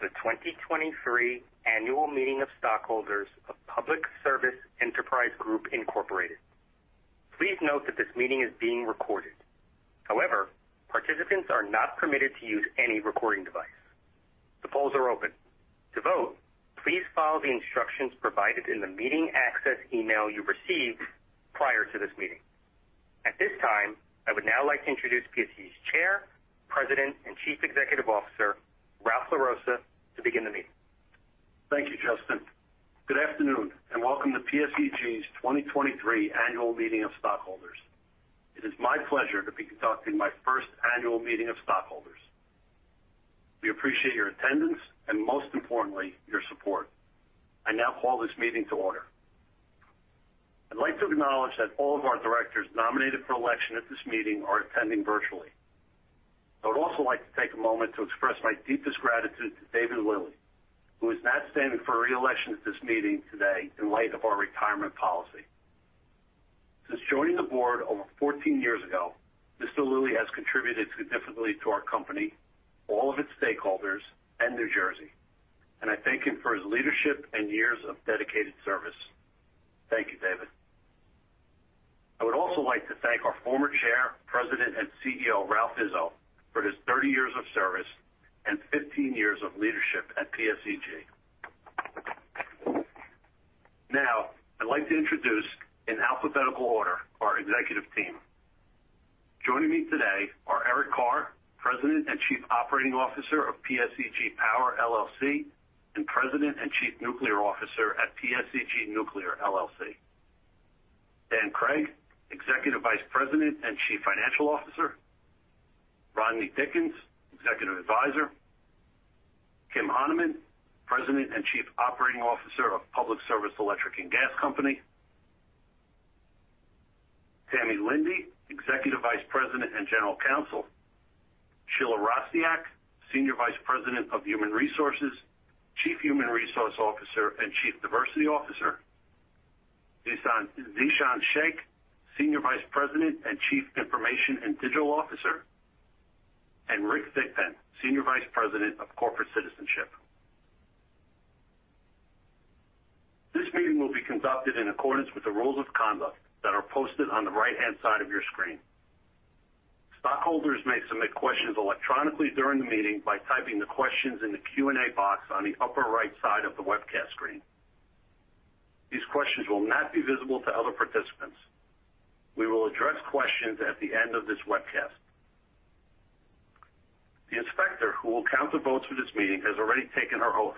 The 2023 annual meeting of stockholders of Public Service Enterprise Group, Incorporated. Please note that this meeting is being recorded. However, participants are not permitted to use any recording device. The polls are open. To vote, please follow the instructions provided in the meeting access email you received prior to this meeting. At this time, I would now like to introduce PSEG's Chair, President, and Chief Executive Officer, Ralph A. LaRossa, to begin the meeting. Thank you, Justin. Good afternoon and welcome to PSEG's 2023 annual meeting of stockholders. It is my pleasure to be conducting my first annual meeting of stockholders. We appreciate your attendance and, most importantly, your support. I now call this meeting to order. I'd like to acknowledge that all of our directors nominated for election at this meeting are attending virtually. I would also like to take a moment to express my deepest gratitude to David Lilley, who is not standing for re-election at this meeting today in light of our retirement policy. Since joining the board over 14 years ago, Mr. Lilley has contributed significantly to our company, all of its stakeholders, and New Jersey, and I thank him for his leadership and years of dedicated service. Thank you, David. I would also like to thank our former Chair, President, and CEO, Ralph Izzo, for his 30 years of service and 15 years of leadership at PSEG. I'd like to introduce, in alphabetical order, our executive team. Joining me today are Eric Carr, President and Chief Operating Officer of PSEG Power, LLC, and President and Chief Nuclear Officer at PSEG Nuclear, LLC. Dan Cregg, Executive Vice President and Chief Financial Officer. Rodney Dickens, Executive Advisor. Kim Hanemann, President and Chief Operating Officer of Public Service Electric and Gas Company. Tammy Linde, Executive Vice President and General Counsel. Sheila Rostiac, Senior Vice President of Human Resources, Chief Human Resource Officer, and Chief Diversity Officer. Zeeshan Sheikh, Senior Vice President and Chief Information and Digital Officer. Rick Thigpen, Senior Vice President of Corporate Citizenship. This meeting will be conducted in accordance with the rules of conduct that are posted on the right-hand side of your screen. Stockholders may submit questions electronically during the meeting by typing the questions in the Q&A box on the upper right side of the webcast screen. These questions will not be visible to other participants. We will address questions at the end of this webcast. The inspector who will count the votes for this meeting has already taken her oath.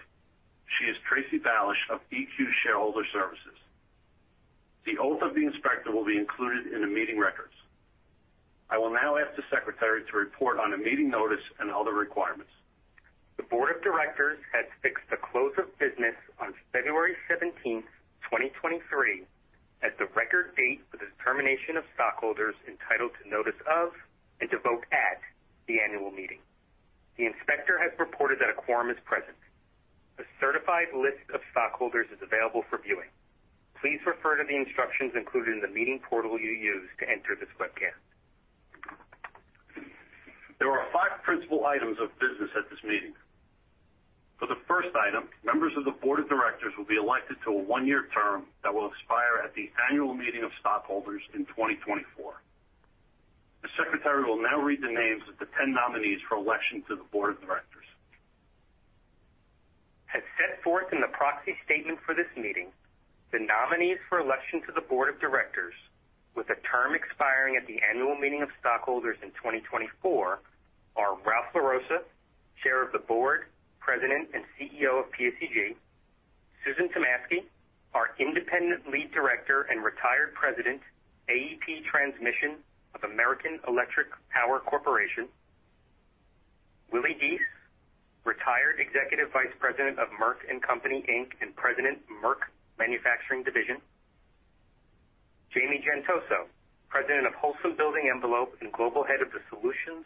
She is Tracy Balish of EQ Shareowner Services. The oath of the inspector will be included in the meeting records. I will now ask the secretary to report on the meeting notice and other requirements. The Board of Directors had fixed the close of business on February 17th, 2023, as the record date for the determination of stockholders entitled to notice of and to vote at the annual meeting. The inspector has reported that a quorum is present. A certified list of stockholders is available for viewing. Please refer to the instructions included in the meeting portal you used to enter this webcast. There are five principal items of business at this meeting. For the first item, members of the Board of Directors will be elected to a one-year term that will expire at the annual meeting of stockholders in 2024. The secretary will now read the names of the 10 nominees for election to the Board of Directors. As set forth in the proxy statement for this meeting, the nominees for election to the Board of Directors, with a term expiring at the annual meeting of stockholders in 2024, are Ralph LaRossa, Chair of the Board, President, and CEO of PSEG. Susan Tomasky, our independent Lead Director and retired President, AEP Transmission of American Electric Power Corporation. Willie Deese, retired Executive Vice President of Merck & Co., Inc., and President, Merck Manufacturing Division. Jamie Gentoso, President of Holcim Building Envelope and Global Head of the Solutions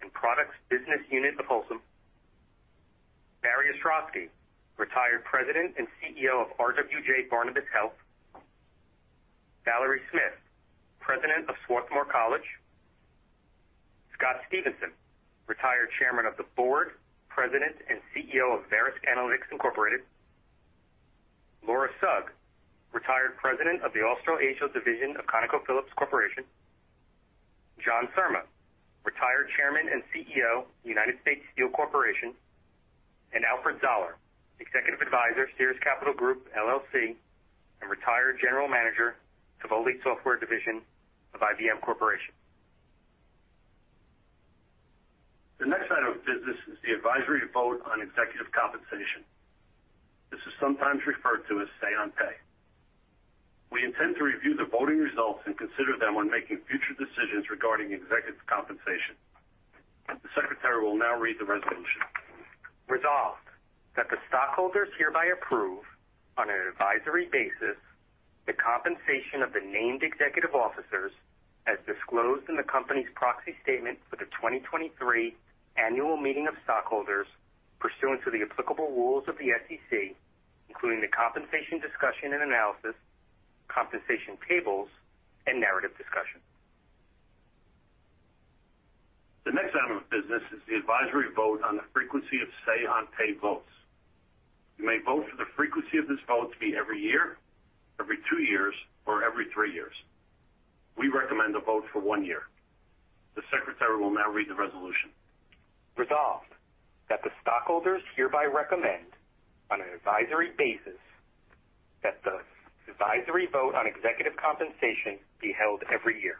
and Products Business Unit of Holcim. Barry Ostrowsky, retired President and CEO of RWJBarnabas Health. Valerie Smith, President of Swarthmore College. Scott Stephenson, retired Chairman of the Board, President, and CEO of Verisk Analytics, Incorporated. Laura Sugg, retired President of the Australasia Division of ConocoPhillips Corporation. John Surma, retired Chairman and CEO, United States Steel Corporation, Alfred Koeppe, Executive Advisor, Sears Capital Group, LLC, and retired General Manager of IBM Software Division of IBM Corporation. The next item of business is the advisory vote on executive compensation. This is sometimes referred to as say on pay. We intend to review the voting results and consider them when making future decisions regarding executive compensation. The secretary will now read the resolution. Resolved, that the stockholders hereby approve, on an advisory basis, the compensation of the named executive officers as disclosed in the company's proxy statement for the 2023 annual meeting of stockholders pursuant to the applicable rules of the SEC, including the compensation discussion and analysis, compensation tables, and narrative discussions The next item of business is the advisory vote on the frequency of say-on-pay votes. You may vote for the frequency of this vote to be every year, every two years, or every three years. We recommend a vote for one year. The secretary will now read the resolution. Resolved, that the stockholders hereby recommend on an advisory basis that the advisory vote on executive compensation be held every year.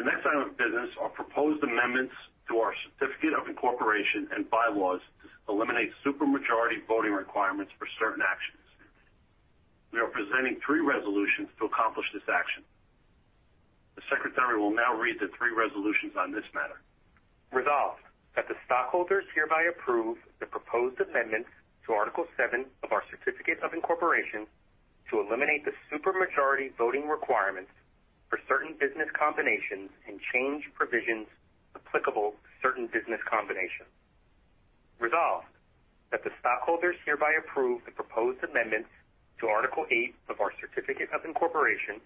The next item of business are proposed amendments to our certificate of incorporation and bylaws to eliminate super majority voting requirements for certain actions. We are presenting three resolutions to accomplish this action. The secretary will now read the three resolutions on this matter. Resolved, that the stockholders hereby approve the proposed amendments to Article 7 of our certificate of incorporation to eliminate the super majority voting requirements for certain business combinations and change provisions applicable to certain business combinations. Resolved, that the stockholders hereby approve the proposed amendments to Article 8 of our certificate of incorporation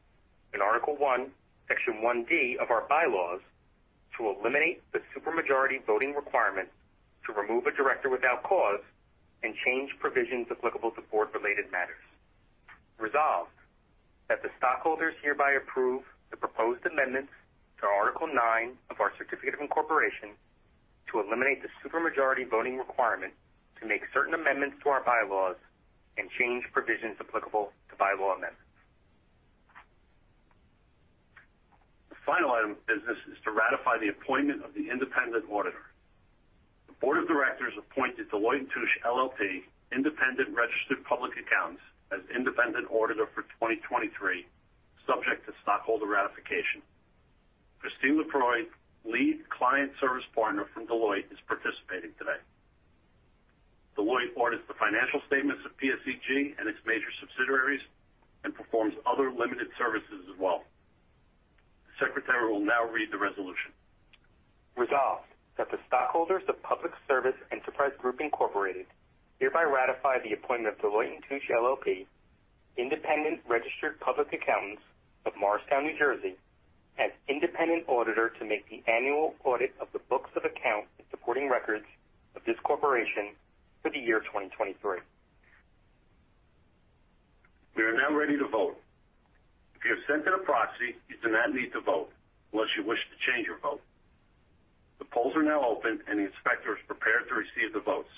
and Article 1, Section 1.d of our bylaws to eliminate the super majority voting requirement to remove a director without cause and change provisions applicable to board-related matters. Resolved, that the stockholders hereby approve the proposed amendments to Article 9 of our certificate of incorporation to eliminate the super majority voting requirement to make certain amendments to our bylaws and change provisions applicable to bylaw amendments. The final item of business is to ratify the appointment of the independent auditor. The board of directors appointed Deloitte & Touche LLP, independent registered public accountants, as independent auditor for 2023, subject to stockholder ratification. Christine LaCroix, lead client service partner from Deloitte, is participating today. Deloitte audits the financial statements of PSEG and its major subsidiaries and performs other limited services as well. The secretary will now read the resolution. Resolved, that the stockholders of Public Service Enterprise Group Incorporated hereby ratify the appointment of Deloitte & Touche LLP, independent registered public accountants of Morristown, New Jersey, as independent auditor to make the annual audit of the books of account and supporting records of this corporation for the year 2023. We are now ready to vote. If you have sent in a proxy, you do not need to vote unless you wish to change your vote. The polls are now open and the inspector is prepared to receive the votes.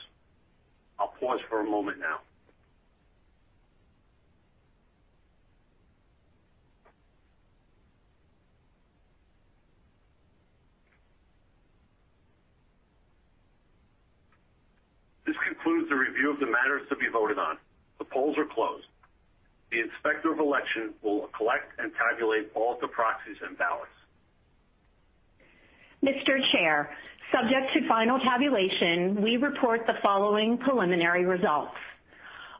I'll pause for a moment now. This concludes the review of the matters to be voted on. The polls are closed. The inspector of election will collect and tabulate all the proxies and ballots. Mr. Chair, subject to final tabulation, we report the following preliminary results.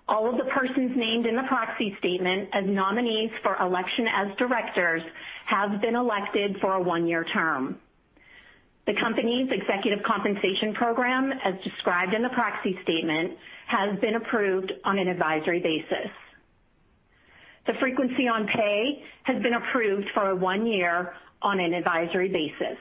All of the persons named in the proxy statement as nominees for election as directors have been elected for a one-year term. The company's executive compensation program, as described in the proxy statement, has been approved on an advisory basis. The frequency on pay has been approved for one year on an advisory basis.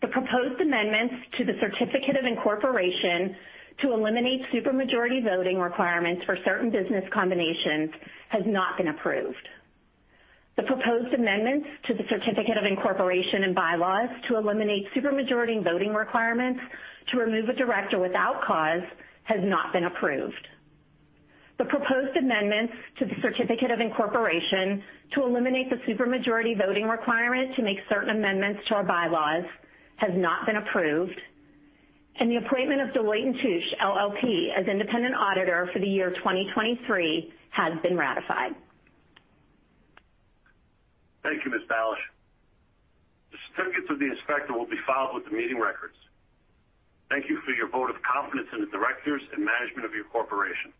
The proposed amendments to the certificate of incorporation to eliminate super majority voting requirements for certain business combinations has not been approved. The proposed amendments to the certificate of incorporation and bylaws to eliminate super majority voting requirements to remove a director without cause has not been approved. The proposed amendments to the certificate of incorporation to eliminate the super majority voting requirement to make certain amendments to our bylaws has not been approved, the appointment of Deloitte & Touche LLP as independent auditor for the year 2023 has been ratified. Thank you, Ms. Balish. The certificates of the inspector will be filed with the meeting records. Thank you for your vote of confidence in the directors and management of your corporation.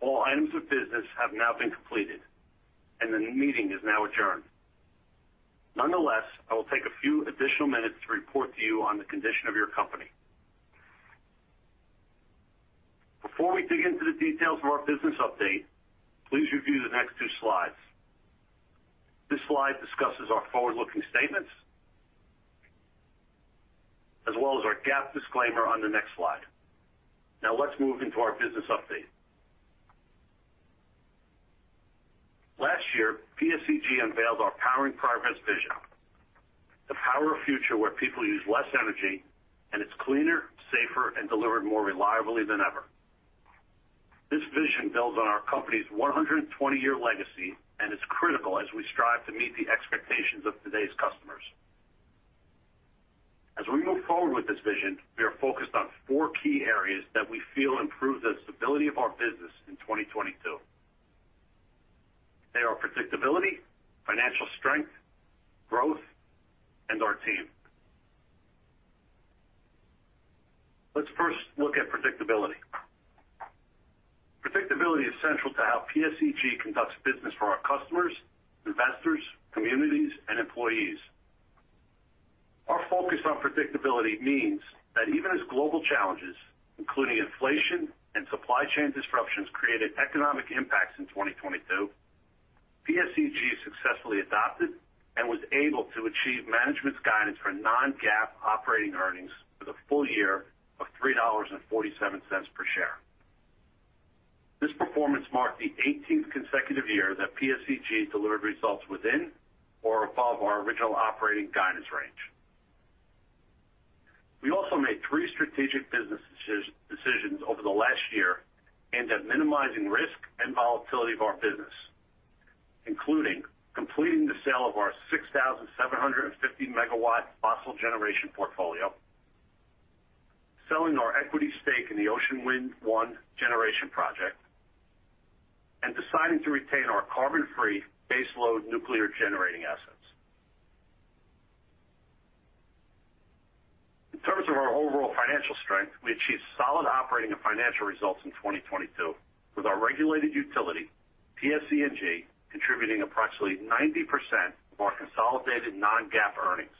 All items of business have now been completed, and the meeting is now adjourned. Nonetheless, I will take a few additional minutes to report to you on the condition of your company. Before we dig into the details of our business update, please review the next two slides. This slide discusses our forward-looking statements, as well as our GAAP disclaimer on the next slide. Now let's move into our business update. Last year, PSEG unveiled our Powering Progress vision to power a future where people use less energy and it's cleaner, safer, and delivered more reliably than ever. This vision builds on our company's 120-year legacy and is critical as we strive to meet the expectations of today's customers. As we move forward with this vision, we are focused on four key areas that we feel improve the stability of our business in 2022. They are predictability, financial strength, growth, and our team. Let's first look at predictability. Predictability is central to how PSEG conducts business for our customers, investors, communities, and employees. Our focus on predictability means that even as global challenges, including inflation and supply chain disruptions, created economic impacts in 2022, PSEG successfully adapted and was able to achieve management's guidance for non-GAAP operating earnings for the full year of $3.47 per share. This performance marked the 18th consecutive year that PSEG delivered results within or above our original operating guidance range. We also made three strategic business decisions over the last year aimed at minimizing risk and volatility of our business, including completing the sale of our 6,750-megawatt fossil generation portfolio, selling our equity stake in the Ocean Wind 1 generation project, and deciding to retain our carbon-free baseload nuclear generating assets. In terms of our overall financial strength, we achieved solid operating and financial results in 2022 with our regulated utility, PSE&G, contributing approximately 90% of our consolidated non-GAAP earnings.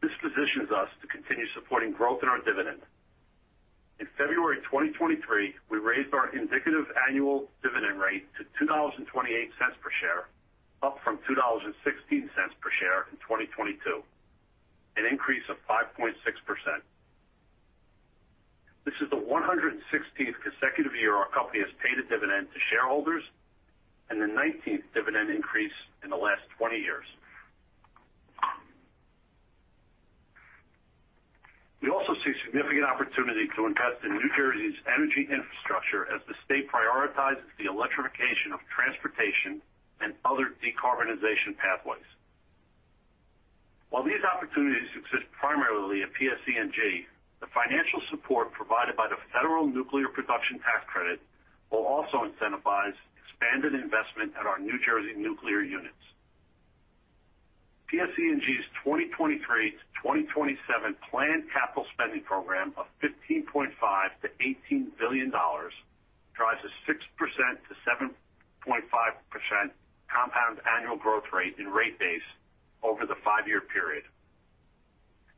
This positions us to continue supporting growth in our dividend. In February 2023, we raised our indicative annual dividend rate to $2.28 per share, up from $2.16 per share in 2022, an increase of 5.6%. This is the 116th consecutive year our company has paid a dividend to shareholders and the 19th dividend increase in the last 20 years. We also see significant opportunity to invest in New Jersey's energy infrastructure as the state prioritizes the electrification of transportation and other decarbonization pathways. While these opportunities exist primarily at PSE&G, the financial support provided by the federal nuclear production tax credit will also incentivize expanded investment at our New Jersey nuclear units. PSE&G's 2023 to 2027 planned capital spending program of $15.5 billion-$18 billion drives a 6%-7.5% compound annual growth rate in rate base over the five-year period.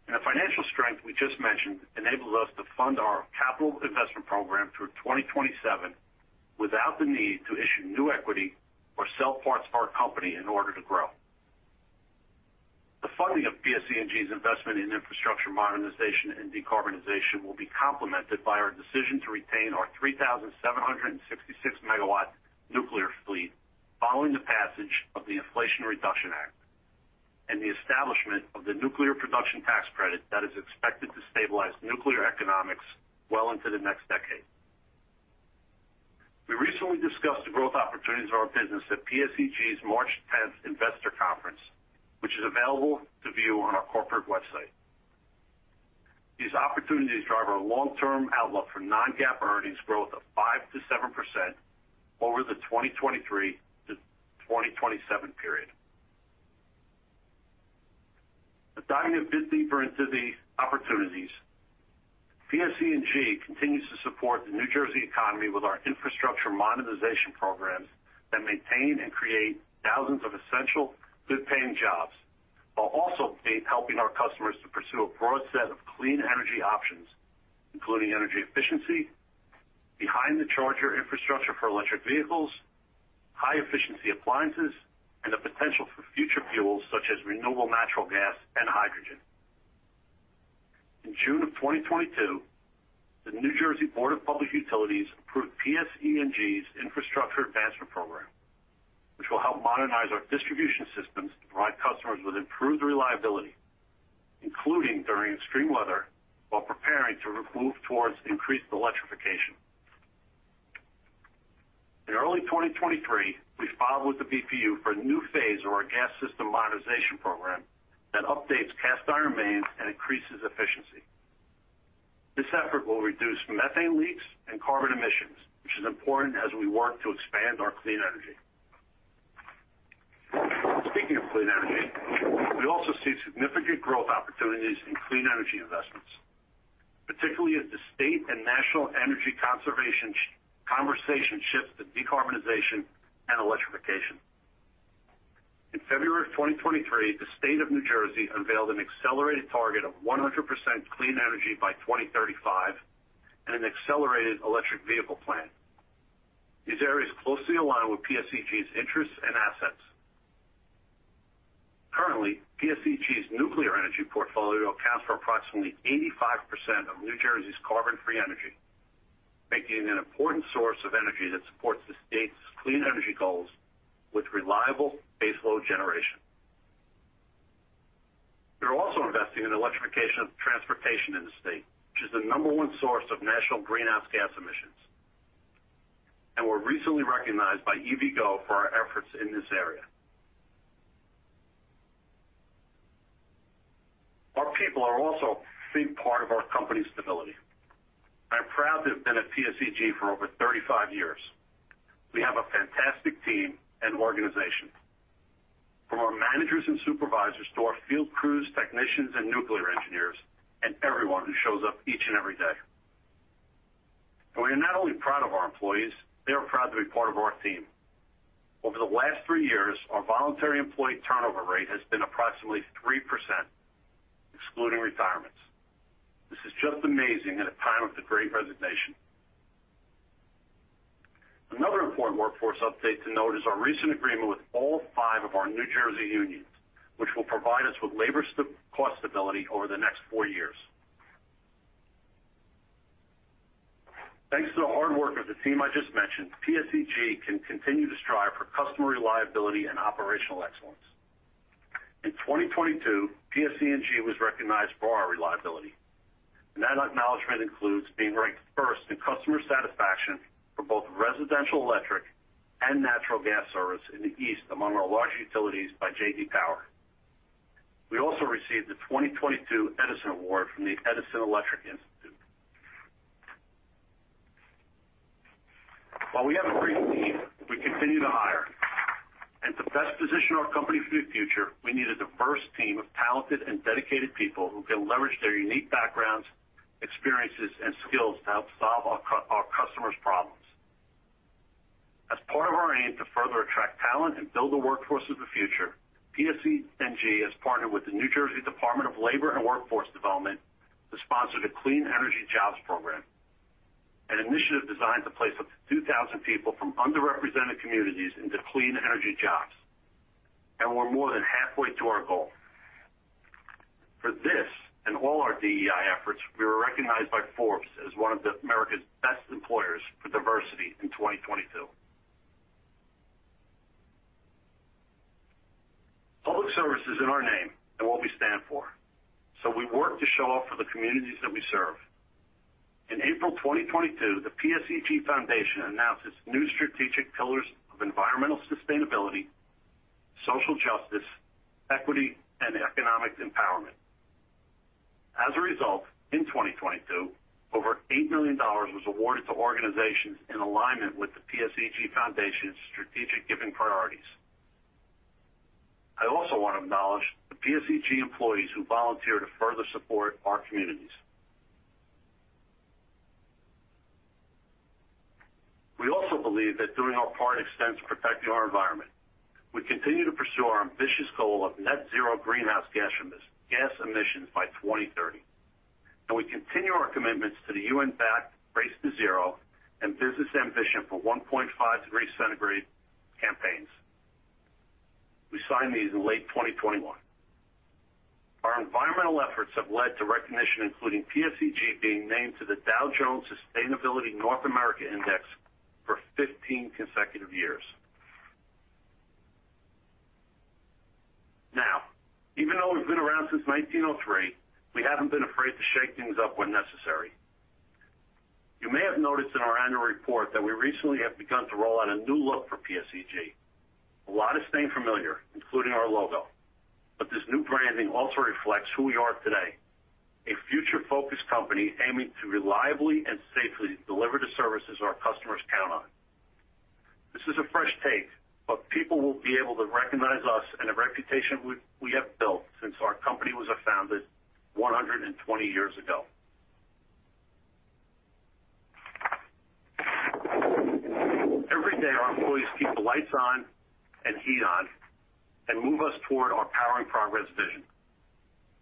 The financial strength we just mentioned enables us to fund our capital investment program through 2027 without the need to issue new equity or sell parts of our company in order to grow. The funding of PSE&G's investment in infrastructure modernization and decarbonization will be complemented by our decision to retain our 3,766-megawatt nuclear fleet following the passage of the Inflation Reduction Act and the establishment of the nuclear production tax credit that is expected to stabilize nuclear economics well into the next decade. We recently discussed the growth opportunities of our business at PSEG's March 10th investor conference, which is available to view on our corporate website. These opportunities drive our long-term outlook for non-GAAP earnings growth of 5%-7% over the 2023 to 2027 period. Diving a bit deeper into these opportunities, PSE&G continues to support the New Jersey economy with our infrastructure modernization programs that maintain and create thousands of essential good-paying jobs while also helping our customers to pursue a broad set of clean energy options, including energy efficiency, behind-the-charger infrastructure for electric vehicles, high-efficiency appliances, and the potential for future fuels such as renewable natural gas and hydrogen. In June of 2022, the New Jersey Board of Public Utilities approved PSE&G's Infrastructure Advancement Program, which will help modernize our distribution systems to provide customers with improved reliability, including during extreme weather, while preparing to move towards increased electrification. In early 2023, we filed with the BPU for a new phase of our gas system modernization program that updates cast iron mains and increases efficiency. This effort will reduce methane leaks and carbon emissions, which is important as we work to expand our clean energy. Speaking of clean energy, we also see significant growth opportunities in clean energy investments, particularly as the State and national energy conversation shifts to decarbonization and electrification. In February of 2023, the State of New Jersey unveiled an accelerated target of 100% clean energy by 2035 and an accelerated electric vehicle plan. These areas closely align with PSEG's interests and assets. Currently, PSEG's nuclear energy portfolio accounts for approximately 85% of New Jersey's carbon-free energy, making it an important source of energy that supports the State's clean energy goals with reliable baseload generation. We're also investing in electrification of transportation in the State, which is the number one source of national greenhouse gas emissions. We're recently recognized by EVgo for our efforts in this area. Our people are also a big part of our company stability. I'm proud to have been at PSEG for over 35 years. We have a fantastic team and organization, from our managers and supervisors to our field crews, technicians, and nuclear engineers, and everyone who shows up each and every day. We are not only proud of our employees, they are proud to be part of our team. Over the last three years, our voluntary employee turnover rate has been approximately 3%, excluding retirements. This is just amazing at a time of the great resignation. Another important workforce update to note is our recent agreement with all five of our New Jersey unions, which will provide us with labor cost stability over the next four years. Thanks to the hard work of the team I just mentioned, PSEG can continue to strive for customer reliability and operational excellence. In 2022, PSEG was recognized for our reliability, and that acknowledgement includes being ranked first in customer satisfaction for both residential electric and natural gas service in the East among our large utilities by J.D. Power. We also received the 2022 Edison Award from the Edison Electric Institute. While we have a great team, we continue to hire. To best position our company for the future, we need a diverse team of talented and dedicated people who can leverage their unique backgrounds, experiences, and skills to help solve our customers' problems. As part of our aim to further attract talent and build the workforce of the future, PSEG has partnered with the New Jersey Department of Labor and Workforce Development to sponsor the Clean Energy Jobs program, an initiative designed to place up to 2,000 people from underrepresented communities into clean energy jobs. We're more than halfway to our goal. For this and all our DEI efforts, we were recognized by Forbes as one of America's best employers for diversity in 2022. Public service is in our name and what we stand for, so we work to show up for the communities that we serve. In April 2022, the PSEG Foundation announced its new strategic pillars of environmental sustainability, social justice, equity, and economic empowerment. As a result, in 2022, over $8 million was awarded to organizations in alignment with the PSEG Foundation's strategic giving priorities. I also want to acknowledge the PSEG employees who volunteer to further support our communities. We also believe that doing our part extends to protecting our environment. We continue to pursue our ambitious goal of net zero greenhouse gas emissions by 2030, and we continue our commitments to the UN-backed Race to Zero and business ambition for 1.5 degree centigrade campaigns. We signed these in late 2021. Our environmental efforts have led to recognition, including PSEG being named to the Dow Jones Sustainability North America Index for 15 consecutive years. Now, even though we've been around since 1903, we haven't been afraid to shake things up when necessary. You may have noticed in our annual report that we recently have begun to roll out a new look for PSEG. A lot is staying familiar, including our logo, but this new branding also reflects who we are today, a future-focused company aiming to reliably and safely deliver the services our customers count on. This is a fresh take, but people will be able to recognize us and the reputation we have built since our company was founded 120 years ago. Every day, our employees keep the lights on and heat on and move us toward our Powering Progress vision.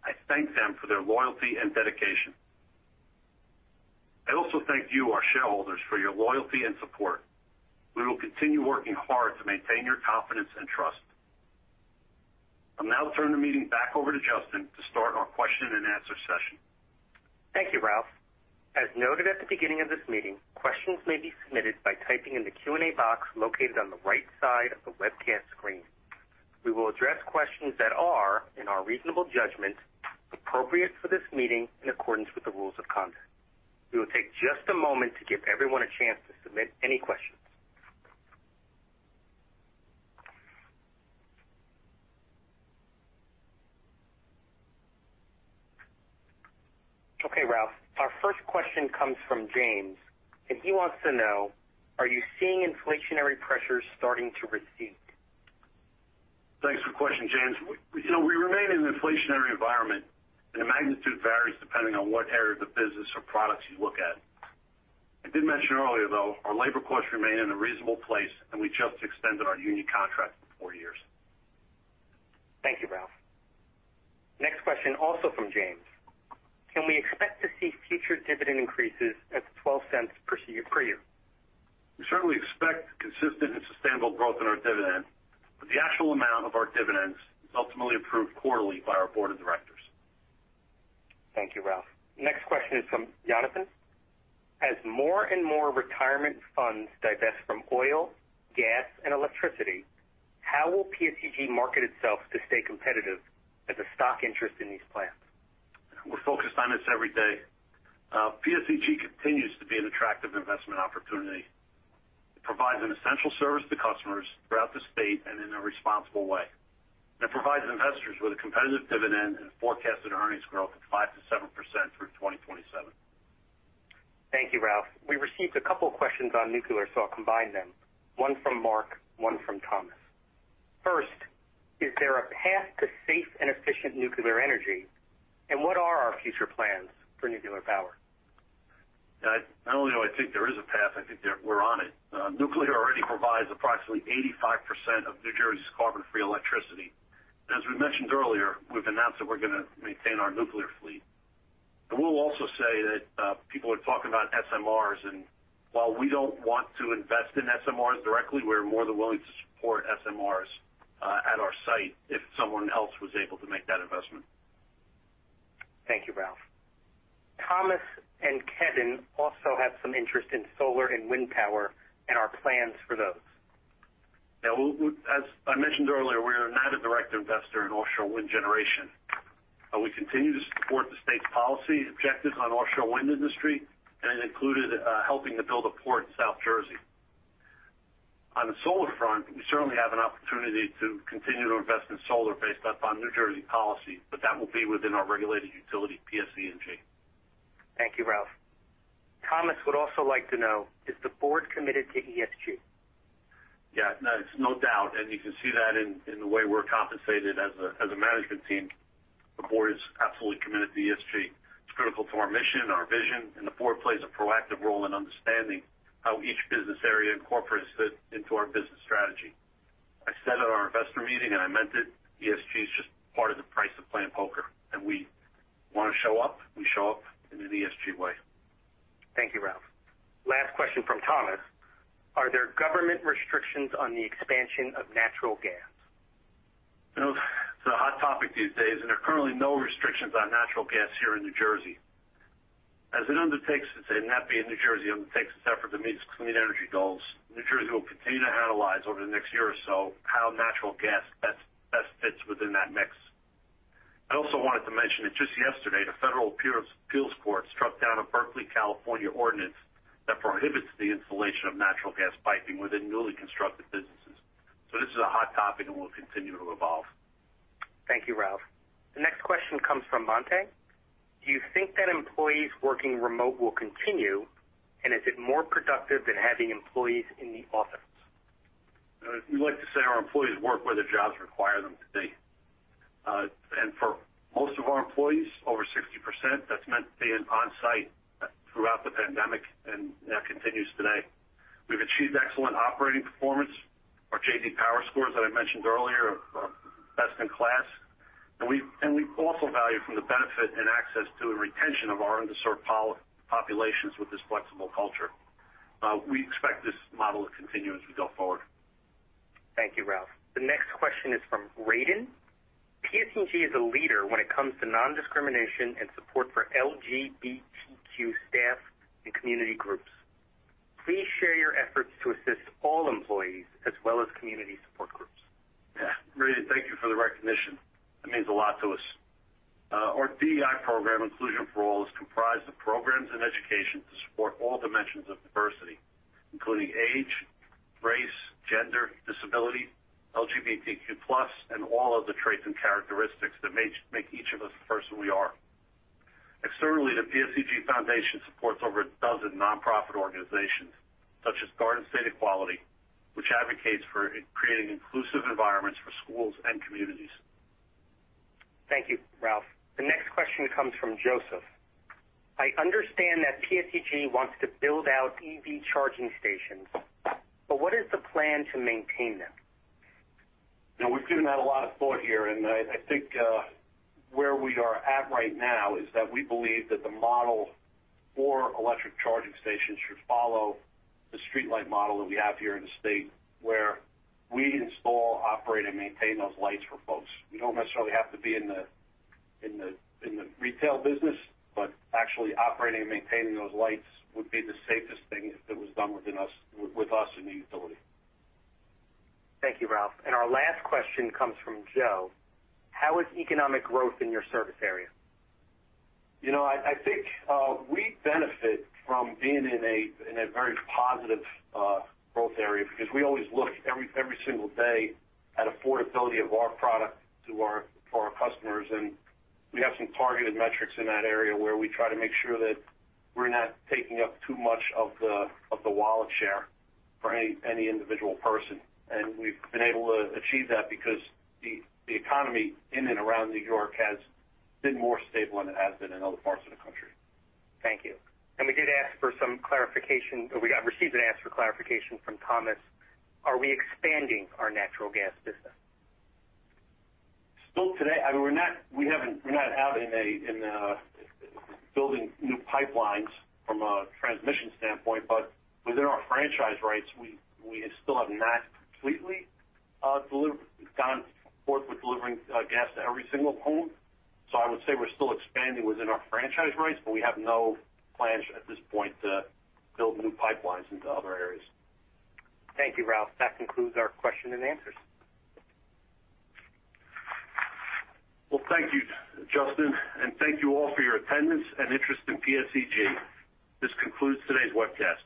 I thank them for their loyalty and dedication. I also thank you, our shareholders, for your loyalty and support. We will continue working hard to maintain your confidence and trust. I'll now turn the meeting back over to Justin to start our question and answer session. Thank you, Ralph. As noted at the beginning of this meeting, questions may be submitted by typing in the Q&A box located on the right side of the webcast screen. We will address questions that are, in our reasonable judgment, appropriate for this meeting in accordance with the rules of conduct. We will take just a moment to give everyone a chance to submit any questions. Okay, Ralph, our first question comes from James, and he wants to know, are you seeing inflationary pressures starting to recede? Thanks for the question, James. We remain in an inflationary environment, the magnitude varies depending on what area of the business or products you look at. I did mention earlier, though, our labor costs remain in a reasonable place, we just extended our union contract for four years. Thank you, Ralph. Next question, also from James: Can we expect to see future dividend increases at $0.12 per year? We certainly expect consistent and sustainable growth in our dividend, the actual amount of our dividends is ultimately approved quarterly by our board of directors. Thank you, Ralph. Next question is from Jonathan. As more and more retirement funds divest from oil, gas, and electricity, how will PSEG market itself to stay competitive as a stock interest in these plans? We're focused on this every day. PSEG continues to be an attractive investment opportunity. It provides an essential service to customers throughout the state and in a responsible way, and it provides investors with a competitive dividend and forecasted earnings growth of 5%-7% through 2027. Thank you, Ralph. We received a couple questions on nuclear, so I'll combine them. One from Mark, one from Thomas. First, is there a path to safe and efficient nuclear energy? What are our future plans for nuclear power? Not only do I think there is a path, I think that we're on it. Nuclear already provides approximately 85% of New Jersey's carbon-free electricity. As we mentioned earlier, we've announced that we're going to maintain our nuclear fleet. We'll also say that people would talk about SMRs, and while we don't want to invest in SMRs directly, we're more than willing to support SMRs at our site if someone else was able to make that investment. Thank you, Ralph. Thomas and Kevin also have some interest in solar and wind power and our plans for those. Yeah. As I mentioned earlier, we are not a direct investor in offshore wind generation. We continue to support the state's policy objectives on offshore wind industry. It included helping to build a port in South Jersey. On the solar front, we certainly have an opportunity to continue to invest in solar based upon New Jersey policy, but that will be within our regulated utility, PSE&G. Thank you, Ralph. Thomas would also like to know, is the board committed to ESG? Yeah. No, it's no doubt. You can see that in the way we're compensated as a management team. The board is absolutely committed to ESG. It's critical to our mission, our vision. The board plays a proactive role in understanding how each business area incorporates it into our business strategy. I said at our investor meeting. I meant it, ESG is just part of the price of playing poker. We want to show up. We show up in an ESG way. Thank you, Ralph. Last question from Thomas. Are there government restrictions on the expansion of natural gas? It's a hot topic these days. There are currently no restrictions on natural gas here in New Jersey. As it undertakes its NAPE in New Jersey, undertakes its effort to meet its clean energy goals, New Jersey will continue to analyze over the next year or so how natural gas best fits within that mix. I also wanted to mention that just yesterday, the Federal Appeals Court struck down a Berkeley, California ordinance that prohibits the installation of natural gas piping within newly constructed businesses. This is a hot topic, and we'll continue to evolve. Thank you, Ralph. The next question comes from Monte. Do you think that employees working remote will continue? Is it more productive than having employees in the office? We like to say our employees work where their jobs require them to be. For most of our employees, over 60%, that's meant being on-site throughout the pandemic, and that continues today. We've achieved excellent operating performance. Our J.D. Power scores that I mentioned earlier are best in class. We also value from the benefit and access to and retention of our underserved populations with this flexible culture. We expect this model to continue as we go forward. Thank you, Ralph. The next question is from Raden. PSEG is a leader when it comes to non-discrimination and support for LGBTQ staff and community groups. Please share your efforts to assist all employees as well as community support groups. Yeah. Raden, thank you for the recognition. That means a lot to us. Our DEI program, Inclusion for All, is comprised of programs and education to support all dimensions of diversity, including age, race, gender, disability, LGBTQ+, and all of the traits and characteristics that make each of us the person we are. Externally, the PSEG Foundation supports over a dozen nonprofit organizations, such as Garden State Equality, which advocates for creating inclusive environments for schools and communities. Thank you, Ralph. The next question comes from Joseph. I understand that PSEG wants to build out EV charging stations, but what is the plan to maintain them? We've given that a lot of thought here, and I think where we are at right now is that we believe that the model for electric charging stations should follow the streetlight model that we have here in the state, where we install, operate, and maintain those lights for folks. We don't necessarily have to be in the retail business, but actually operating and maintaining those lights would be the safest thing if it was done with us in the utility. Thank you, Ralph. Our last question comes from Joe. I think we benefit from being in a very positive growth area because we always look every single day at affordability of our product for our customers. We have some targeted metrics in that area where we try to make sure that we're not taking up too much of the wallet share for any individual person. We've been able to achieve that because the economy in and around New York has been more stable than it has been in other parts of the country. Thank you. We did ask for some clarification. We received an ask for clarification from Thomas. Are we expanding our natural gas business? Still today, we're not out in building new pipelines from a transmission standpoint, within our franchise rights, we still have not completely gone forth with delivering gas to every single home. I would say we're still expanding within our franchise rights, we have no plans at this point to build new pipelines into other areas. Thank you, Ralph. That concludes our question and answers. Well, thank you, Justin, and thank you all for your attendance and interest in PSEG. This concludes today's webcast.